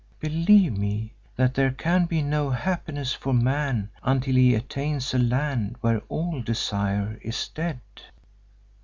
Believe me that there can be no happiness for man until he attains a land where all desire is dead."